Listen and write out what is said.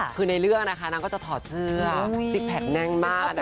คือในเรื่องนะคะนางก็จะถอดเสื้อซิกแพคแน่นมาก